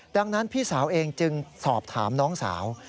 ดังนั้นพี่สาวเองจึงสอบถามน้องสาว